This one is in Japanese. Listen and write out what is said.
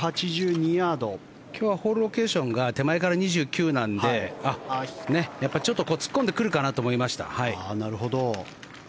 今日はホールロケーションが手前から２９なのでやっぱりちょっと突っ込んでくるかなと思いました。